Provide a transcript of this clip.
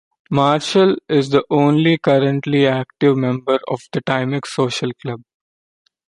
Marshall is the only currently active member of the Timex Social Club.